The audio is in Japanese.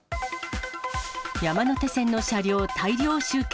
山手線の車両大量集結。